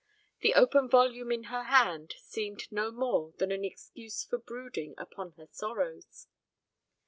The open volume in her hand seemed no more than an excuse for brooding upon her sorrows.